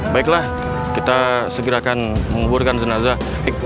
baiklah kita segerakan menguburkan jenazah